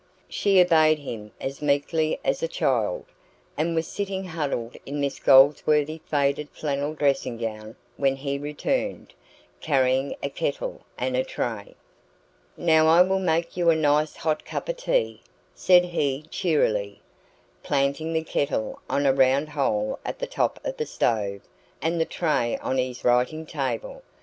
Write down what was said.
She obeyed him as meekly as a child, and was sitting huddled in Miss Goldsworthy's faded flannel dressing gown when he returned, carrying a kettle and a tray. "Now I will make you a nice hot cup of tea," said he cheerily, planting the kettle on a round hole at the top of the stove and the tray on his writing table.